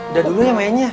udah dulunya mainnya